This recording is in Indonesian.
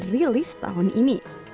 dan akan rilis tahun ini